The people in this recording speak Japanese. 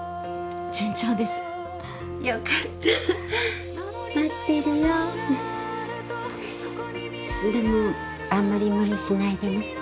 順調ですよかった待ってるよでもあんまり無理しないでね